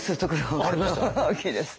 大きいです。